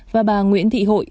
và bà nguyễn thị hội